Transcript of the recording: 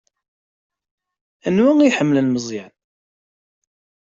Anwa i iḥemmlen Meẓyan?